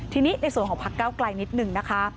ทีนี้ในส่วนของพักเก้าไกลนิดหนึ่งนะคะ